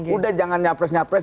udah jangan nyapres nyapres